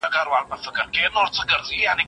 نماینده باید د خپل لیږونکي اطاعت وکړي.